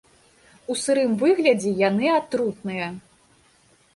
У сырым выглядзе яны атрутныя.